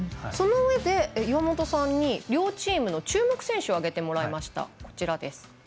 そのうえで岩本さんに両チームの注目選手を挙げてもらいました。